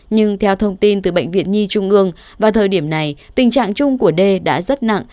nhưng theo thông tin từ bệnh viện nhi trung ương vào thời điểm này tình trạng chung của đê đã rất nặng